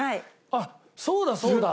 あっそうだそうだ。